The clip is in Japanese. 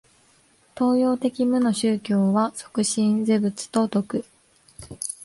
東洋的無の宗教は即心是仏と説く。